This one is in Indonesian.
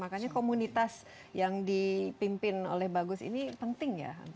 makanya komunitas yang dipimpin oleh bagus ini penting ya